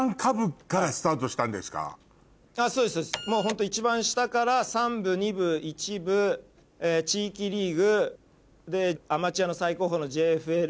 そうですそうですもうホント一番下から３部２部１部地域リーグアマチュアの最高峰のＪＦＬ。